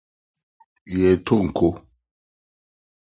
Yɛretonko.